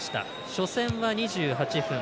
初戦は２８分。